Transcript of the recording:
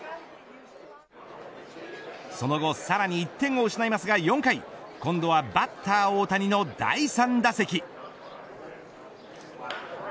さらに１点を失いますが４回今度はバッター大谷の第３打席。